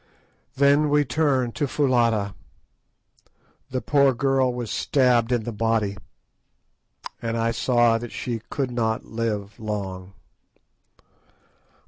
Then we turned to Foulata. The poor girl was stabbed in the body, and I saw that she could not live long.